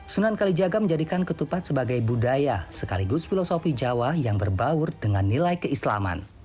sunan kalijaga menjadikan ketupat sebagai budaya sekaligus filosofi jawa yang berbaur dengan nilai keislaman